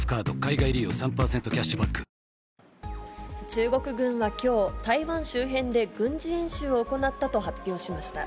中国軍はきょう、台湾周辺で軍事演習を行ったと発表しました。